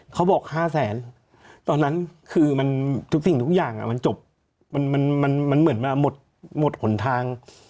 เขาบอก๕แสนตอนนั้นคือมันทุกสิ่งทุกอย่างมันจบมันเหมือนมาหมดหนทาง